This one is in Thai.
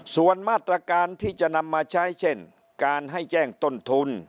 ส่วนมาตรการที่จะนำมาใช้เช่นการให้แจ้งต้นทุน